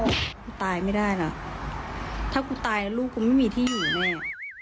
กูตายไม่ได้หรอกถ้ากูตายลูกกูไม่มีที่อยู่แน่ะ